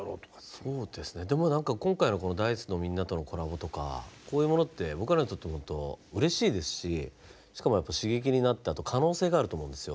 そうですねでも何か今回のＤａ−ｉＣＥのみんなとのコラボとかこういうものって僕らにとってもうれしいですししかも刺激になってあと可能性があると思うんですよ。